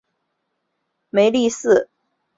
梅日寺毁于民主改革及其后的文化大革命期间。